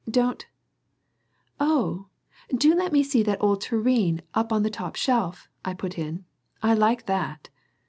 Don't " "Oh, do let me see that old tureen up on the top shelf," I put in. "I like that."